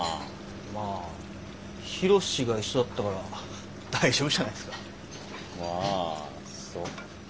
まあヒロシが一緒だったから大丈夫じゃないですか。